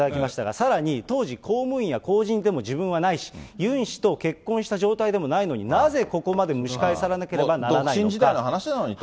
さらに、当時、公務員や公人でも自分はないし、ユン氏と結婚した状態でもないのに、なぜここまで蒸し返されなければならないのか。